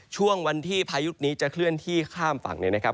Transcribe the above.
ช่วงวันที่พายุนี้จะเคลื่อนที่ข้ามฝั่งเนี่ยนะครับ